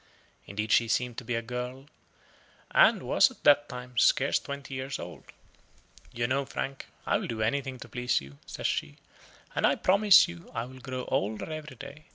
Indeed she seemed to be a girl, and was at that time scarce twenty years old. "You know, Frank, I will do anything to please you," says she, "and I promise you I will grow older every day."